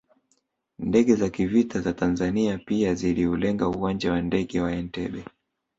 Ndege za kivita za Tanzania pia ziliulenga uwanja wa ndege wa Entebbe